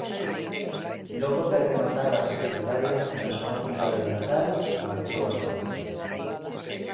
Logo de rematar a secundaria na súa cidade natal marchou a Toquio.